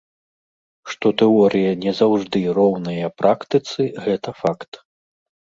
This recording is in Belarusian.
Што тэорыя не заўжды роўная практыцы, гэта факт.